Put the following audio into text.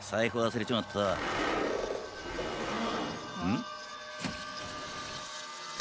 ん？